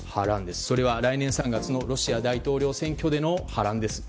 それは来年３月のロシア大統領選挙での波乱です。